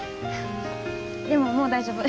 でももう大丈夫。